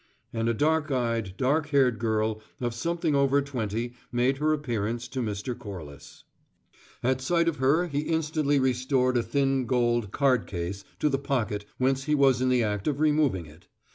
and a dark eyed, dark haired girl of something over twenty made her appearance to Mr. Corliss. At sight of her he instantly restored a thin gold card case to the pocket whence he was in the act of removing it.